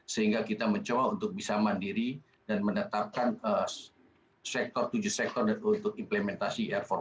sehingga kita mencoba untuk bisa mandiri dan menetapkan sektor tujuh sektor untuk implementasi air empat